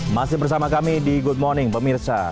masih bersama kami di good morning pemirsa